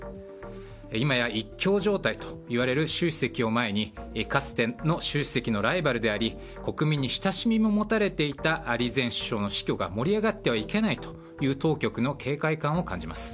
前にかつての習主席のライバルであり国民に親しみも持たれていた李前首相の死去が盛り上がってはいけないという当局の警戒感を感じます。